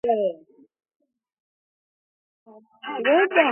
აფხაზეთი და სამხრეთ ოსეთ საქართველოა!